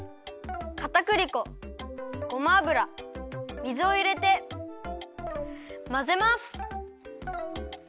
かたくり粉ごま油水をいれてまぜます。